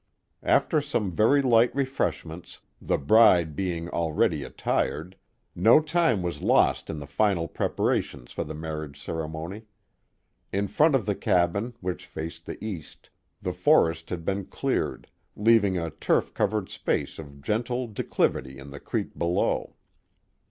After some very light refreshments, the bride being already attired, no lime was lost in the final preparations for the mar riage ceremony. In front of the cabin, which faced the east, the forest had been cleared, leaving a turf covered space of gentle declivity to the creek below.